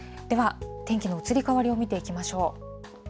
では、天気の移り変わりを見ていきましょう。